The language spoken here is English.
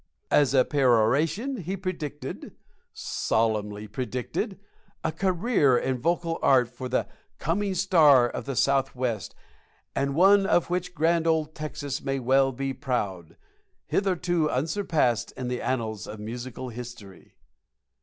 And, as a peroration, he predicted solemnly predicted a career in vocal art for the "coming star of the Southwest and one of which grand old Texas may well be proud," hitherto unsurpassed in the annals of musical history.